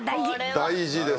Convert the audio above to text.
大事です